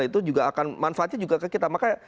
dan itu juga akan manfaatnya kecil